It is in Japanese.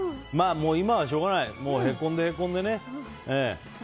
今はしょうがないへこんでへこんでね。